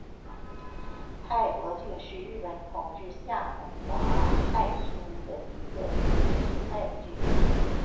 大泊郡是日本统治下的桦太厅的一个已不存在的郡。